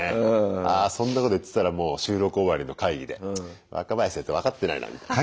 あそんなこと言ってたらもう収録終わりの会議で若林先生分かってないなみたいな。